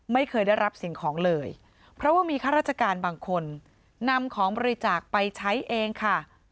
ไม่เคยได้รับสิ่งของเลยเพราะว่ามีข้าราชการบางคนนำของบริจาคไปใช้เองค่ะ